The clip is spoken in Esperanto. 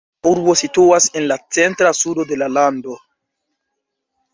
La urbo situas en la centra sudo de la lando.